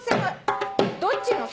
どっちの先？